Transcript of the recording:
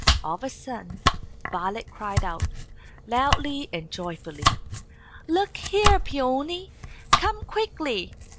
All of a sudden, Violet cried out, loudly and joyfully "Look here, Peony! Come quickly!